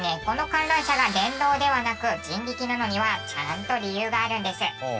この観覧車が電動ではなく人力なのにはちゃんと理由があるんです。